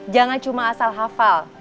jangan cuma asal hafal